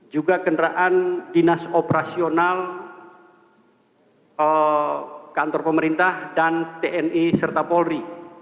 juga kendaraan dinas operasional kantor pemerintah dan tni serta polri